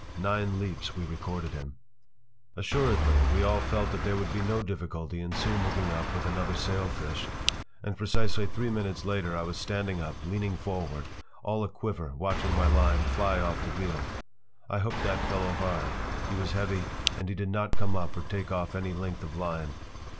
Nine leaps we recorded him! Assuredly we all felt that there would be no difficulty in soon hooking up with another sailfish. And precisely three minutes later I was standing up, leaning forward, all aquiver, watching my line fly off the reel. I hooked that fellow hard. He was heavy, and he did not come up or take off any length of line.